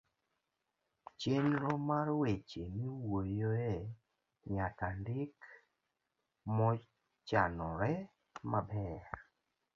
chenro mar weche miwuoyoe nyaka ndik mochanore maber.